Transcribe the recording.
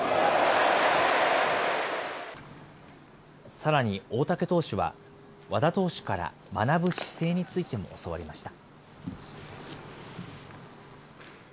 さらに大竹投手は、和田投手から、学ぶ姿勢についても教わりました。